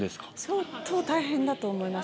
相当大変だと思います。